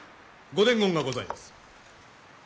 ご伝言がございます。